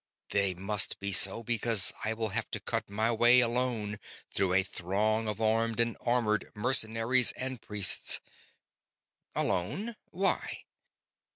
They must be so because I will have to cut my way alone through a throng of armed and armored mercenaries and priests." "Alone? Why?"